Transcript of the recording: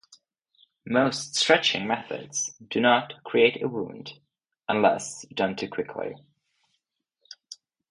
Most stretching methods do not create a wound, unless done too quickly.